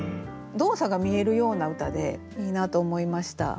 動作が見えるような歌でいいなと思いました。